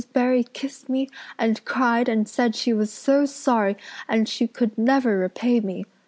Barry kissed me and cried and said she was so sorry and she could never repay me.